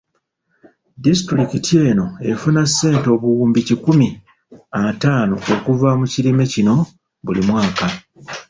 Disitulikiti eno efuna ssente obuwumbi kikumi ataano okuva mu kirime kino buli mwaka.